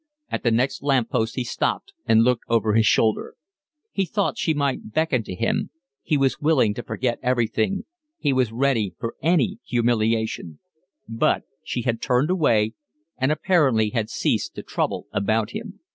At the next lamp post he stopped and looked over his shoulder. He thought she might beckon to him—he was willing to forget everything, he was ready for any humiliation—but she had turned away, and apparently had ceased to trouble about him.